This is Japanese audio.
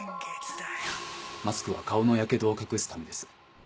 マスクは顔のヤケドを隠すためです。